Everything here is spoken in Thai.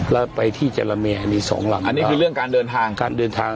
แล้วไปที่จาระแม่นี่๒ลำอันนี้คือเรื่องการเดินทาง